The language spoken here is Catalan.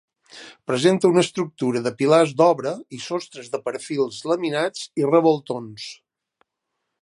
Presenta una estructura de pilars d'obra i sostres de perfils laminats i revoltons.